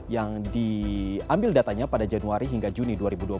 yang diambil datanya pada januari hingga juni dua ribu dua puluh